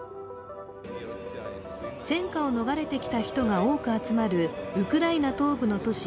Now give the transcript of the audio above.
戦火を逃れてきた人が多く集まるウクライナ東部の都市